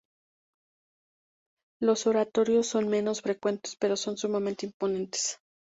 Los oratorios son menos frecuentes pero son sumamente imponentes.